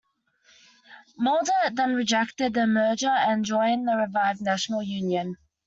Moledet then rejected the merger and joined the revived National Union.